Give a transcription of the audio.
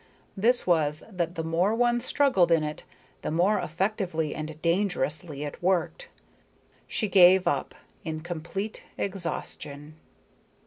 This was, that the more one struggled in it, the more effectively and dangerously it worked. She gave up, in complete exhaustion.